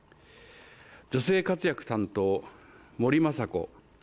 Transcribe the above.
女性活躍担当・森まさこ。